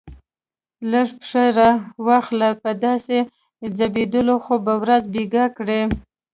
لږ پښه را واخله، په داسې ځبېدلو خو به ورځ بېګا کړې.